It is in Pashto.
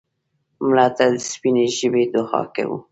مړه ته د سپینې ژبې دعا کوو